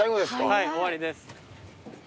はい終わりです。